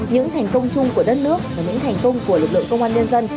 những thành công chung của đất nước và những thành công của lực lượng công an nhân dân